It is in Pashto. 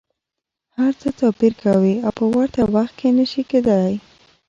هر څه توپیر کوي او په ورته وخت کي نه شي کیدای.